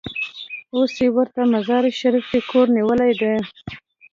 اوس یې ورته مزار شریف کې کور نیولی دی.